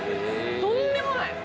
とんでもない！